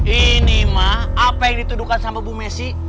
ini mah apa yang dituduhkan sama bu messi